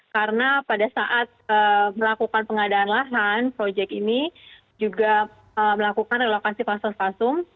karena pada saat melakukan pengadaan lahan proyek ini juga melakukan relokasi fasos fasum